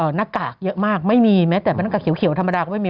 หน้ากากเยอะมากไม่มีแม้แต่เป็นหน้ากากเขียวธรรมดาก็ไม่มี